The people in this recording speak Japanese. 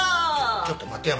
ちょっと待てお前。